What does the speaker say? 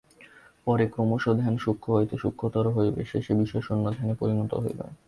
পরে ক্রমশ ধ্যান সূক্ষ্ম হইতে সূক্ষ্মতর হইবে, শেষে বিষয়শূন্য ধ্যানে পরিণত হইবে।